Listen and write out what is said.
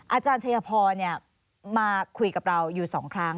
อาจารย์ชัยพรมาคุยกับเราอยู่๒ครั้ง